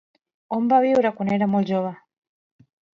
On va viure quan era molt jove?